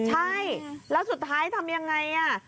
ใช่แล้วสุดท้ายทำยังไง